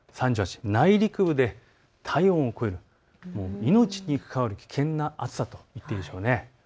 内陸部で体温を超える、命に関わる危険な暑さと言っていいでしょう。